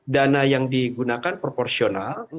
dana yang digunakan proporsional